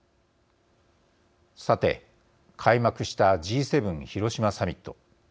さて、開幕したＧ７広島サミット。